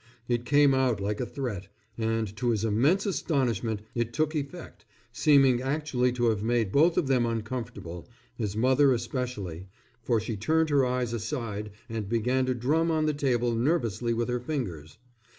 It came out like a threat, and to his immense astonishment it took effect, seeming actually to have made both of them uncomfortable, his mother especially, for she turned her eyes aside and began to drum on the table nervously with her fingers.